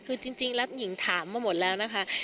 คือจริงแล้วหญิงถามมาหมดแล้วนะคะ